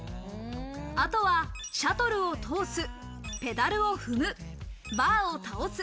あとはシャトルを通す、ペダルを踏む、バーを倒す。